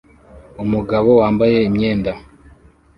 Umugabo wambaye imyenda